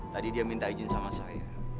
tadi dia minta izin sama saya